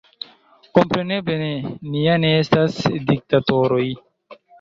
Kompreneble ne – ni ja ne estas diktatoroj!